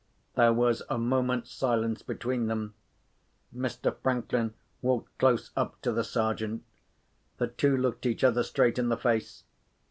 There was a moment's silence between them: Mr. Franklin walked close up to the Sergeant. The two looked each other straight in the face.